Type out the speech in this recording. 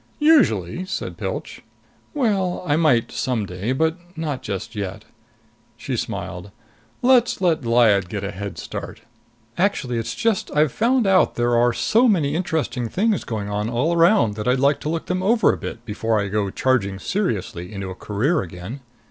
"Usually," said Pilch. "Well, I might some day. But not just yet." She smiled. "Let's let Lyad get a head start! Actually, it's just I've found out there are so many interesting things going on all around that I'd like to look them over a bit before I go charging seriously into a career again."